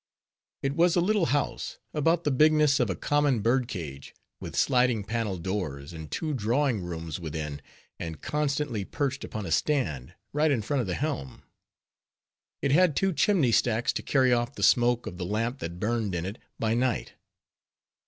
It was a little house, about the bigness of a common bird cage, with sliding panel doors, and two drawing rooms within, and constantly perched upon a stand, right in front of the helm. It had two chimney stacks to carry off the smoke of the lamp that burned in it by night.